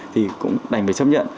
thì cũng đành phải chấp nhận